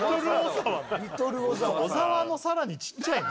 小沢のさらにちっちゃいの？